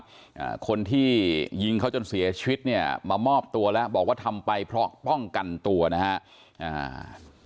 อ่าคนที่ยิงเขาจนเสียชีวิตเนี่ยมามอบตัวแล้วบอกว่าทำไปเพราะป้องกันตัวนะฮะอ่า